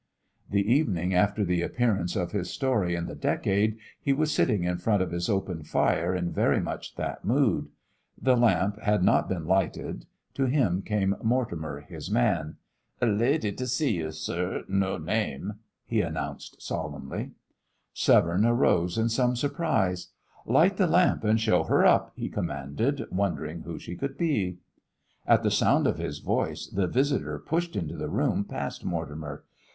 The evening after the appearance of his story in the Decade, he was sitting in front of his open fire in very much that mood. The lamps had not been lighted. To him came Mortimer, his man. "A leddy to see you, sir; no name," he announced, solemnly. Severne arose in some surprise. "Light the lamp, and show her up," he commanded, wondering who she could be. At the sound of his voice, the visitor pushed into the room past Mortimer.